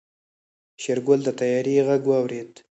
شېرګل د طيارې غږ واورېد.